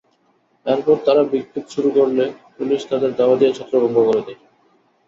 এরপর তাঁরা বিক্ষোভ শুরু করলে পুলিশ তাঁদের ধাওয়া দিয়ে ছত্রভঙ্গ করে দেয়।